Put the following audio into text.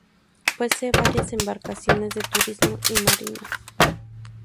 Posee varias embarcaciones de turismo y marinas.